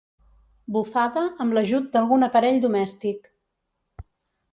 Bufada amb l'ajut d'algun aparell domèstic.